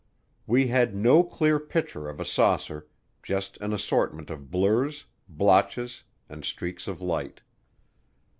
We had no clear pictures of a saucer, just an assortment of blurs, blotches, and streaks of light.